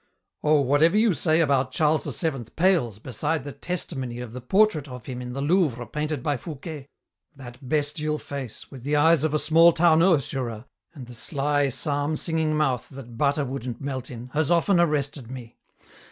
"Oh, whatever you say about Charles VII pales beside the testimony of the portrait of him in the Louvre painted by Foucquet. That bestial face, with the eyes of a small town ursurer and the sly psalm singing mouth that butter wouldn't melt in, has often arrested me.